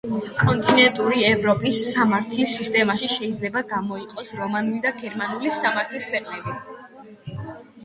კონტინენტური ევროპის სამართლის სისტემაში შეიძლება გამოიყოს რომანული და გერმანული სამართლის ქვეყნები.